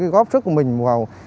góp sức của mình vào